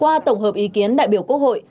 qua tổng hợp ý kiến đại biểu quốc hội